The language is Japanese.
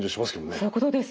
そういうことですよね。